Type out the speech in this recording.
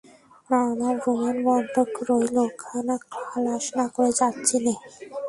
না, আমার রুমাল বন্ধক রইল, ওখানা খালাস না করে যাচ্ছি নে।